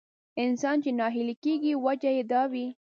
انسان چې ناهيلی کېږي وجه يې دا وي.